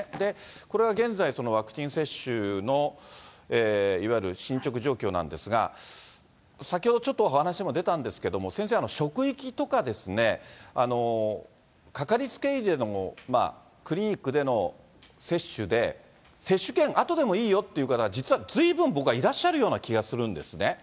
これが現在、ワクチン接種のいわゆる進捗状況なんですが、先ほどちょっとお話にも出たんですけれども、先生、職域とかですね、掛かりつけ医でのクリニックでの接種で、接種券あとでもいいよっていう方は実はずいぶん、僕はいらっしゃるような気がするんですね。